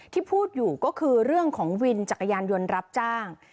ที่พูดอยู่ก็คือเรื่องของวินจักรยานยนต์รับจ้าง